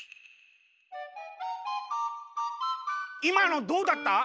いまのどうだった？